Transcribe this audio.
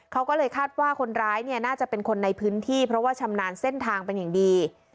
เขาก็เลยคาดว่าคนร้ายเนี่ยน่าจะเป็นคนในพื้นที่เพราะว่าชำนาญเส้นทางเป็นอย่างดี